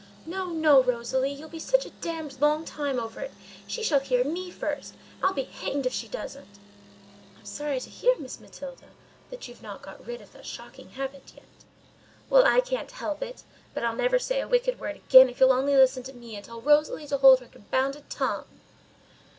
"No, no, Rosalie; you'll be such a damned long time over it—she shall hear me first—I'll be hanged if she doesn't!" "I'm sorry to hear, Miss Matilda, that you've not got rid of that shocking habit yet." "Well, I can't help it: but I'll never say a wicked word again, if you'll only listen to me, and tell Rosalie to hold her confounded tongue."